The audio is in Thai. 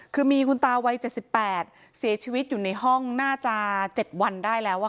คือมีคุณตาวัย๗๘เสียชีวิตอยู่ในห้องน่าจะ๗วันได้แล้ว